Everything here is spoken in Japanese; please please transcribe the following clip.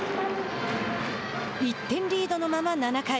１点リードのまま７回。